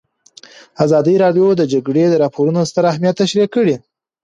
ازادي راډیو د د جګړې راپورونه ستر اهميت تشریح کړی.